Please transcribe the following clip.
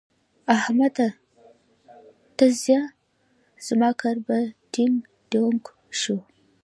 احمده! ته ځه؛ زما کار په ډينګ ډينګو شو.